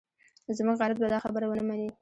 زموږ غیرت به دا خبره ونه مني.